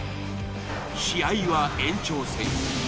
試合は延長戦へ。